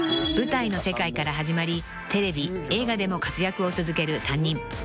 ［舞台の世界から始まりテレビ映画でも活躍を続ける３人］